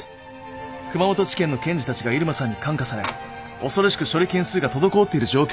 「熊本地検の検事たちが入間さんに感化され恐ろしく処理件数が滞っている状況だと聞きました」